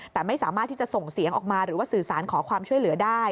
แต่ไม่สามารถที่จะส่งเสียงออกมาหรือว่าสื่อสารขอความช่วยเหลือได้